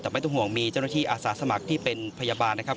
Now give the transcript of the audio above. แต่ไม่ต้องห่วงมีเจ้าหน้าที่อาสาสมัครที่เป็นพยาบาลนะครับ